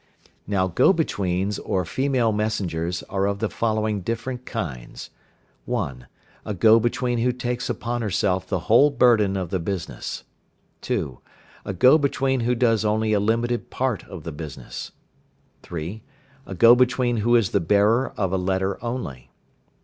Now go betweens or female messengers are of the following different kinds, viz.: (1). A go between who takes upon herself the whole burden of the business. (2). A go between who does only a limited part of the business. (3). A go between who is the bearer of a letter only.